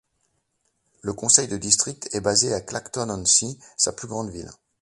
Le conseil de district est basé à Clacton-on-Sea, sa plus grande ville.